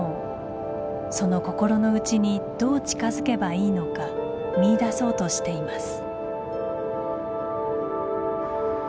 その心の内にどう近づけばいいのか見いだそうとしています。